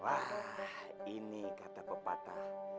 wah ini kata pepatah